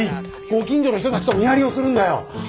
ご近所の人たちと見張りをするんだよ。